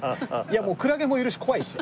いやもうクラゲもいるし怖いし。